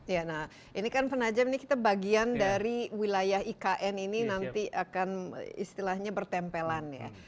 ya nah ini kan penajam ini kita bagian dari wilayah ikn ini nanti akan istilahnya bertempelan ya